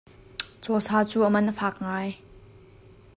Cawsa cu a man a fak ngai.